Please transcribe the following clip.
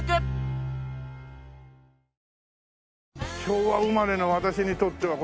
昭和生まれの私にとっては。